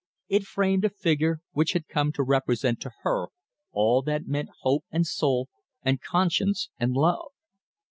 It framed a figure which had come to represent to her all that meant hope and soul and conscience and love.